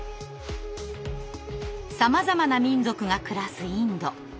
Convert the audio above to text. さまざまな民族が暮らすインド。